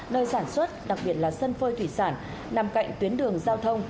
nơi sản xuất đặc biệt là sân phơi thủy sản nằm cạnh tuyến đường giao thông